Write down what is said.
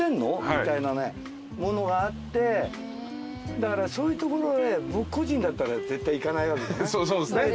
みたいな物があってだからそういう所へ僕個人だったら絶対行かないわけじゃない？